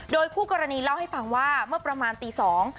โดยคู่กรณีเล่าให้ฟังว่าเมื่อประมาณตีสอง